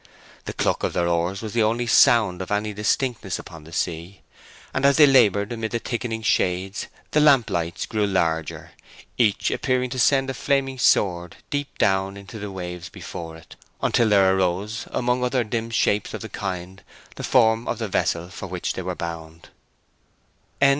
The cluck of their oars was the only sound of any distinctness upon the sea, and as they laboured amid the thickening shades the lamp lights grew larger, each appearing to send a flaming sword deep down into the waves before it, until there arose, among other dim shapes of the kind, the form of the vessel for which they were bound.